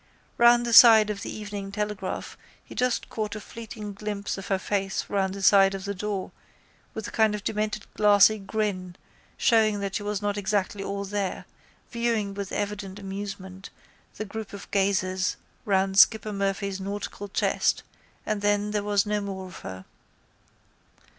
Round the side of the Evening Telegraph he just caught a fleeting glimpse of her face round the side of the door with a kind of demented glassy grin showing that she was not exactly all there, viewing with evident amusement the group of gazers round skipper Murphy's nautical chest and then there was no more of her.